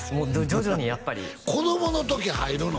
徐々にやっぱり子供の時入るの？